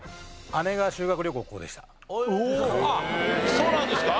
そうなんですか？